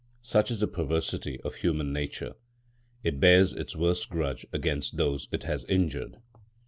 Such is the perversity of human nature. It bears its worst grudge against those it has injured.